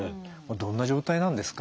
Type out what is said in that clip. どんな状態なんですか？